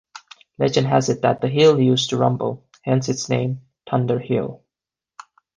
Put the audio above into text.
Legend has it that the hill used to rumble, hence its name Thunder Hill.